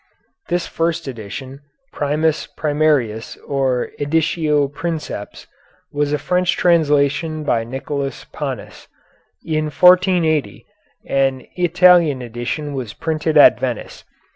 This first edition, primus primarius or editio princeps, was a French translation by Nicholas Panis. In 1480 an Italian edition was printed at Venice.